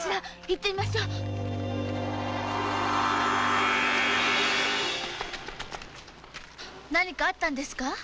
行ってみましょう何かあったの？